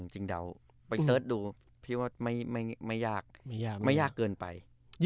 จริงเดาไปเสิร์ชดูพี่ว่าไม่ยากเกินไป